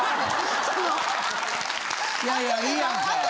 いやいやいいやんか。